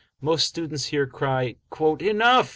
Most students here cry: "Enough!"